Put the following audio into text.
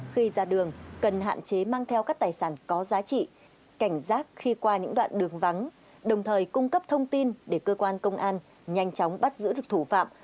khi ra đường cần hạn chế mang theo các tài sản có giá trị cảnh giác khi qua những đoạn đường vắng đồng thời cung cấp thông tin để cơ quan công an nhanh chóng bắt giữ được thủ phạm